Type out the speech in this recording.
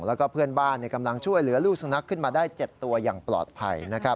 แล้วก็เพื่อนบ้านกำลังช่วยเหลือลูกสุนัขขึ้นมาได้๗ตัวอย่างปลอดภัย